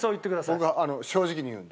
僕は正直に言うので。